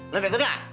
lo betul gak